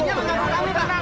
udah tenang dulu